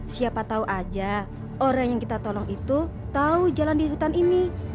siapa tahu aja orang yang kita tolong itu tahu jalan di hutan ini